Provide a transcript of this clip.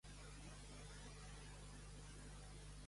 Jaume Vilalta és un periodista nascut a Barcelona.